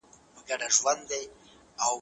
زه مخکي قلمان کارولي وو!.